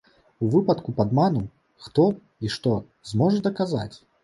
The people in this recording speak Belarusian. У выпадку падману, хто і што зможа даказаць?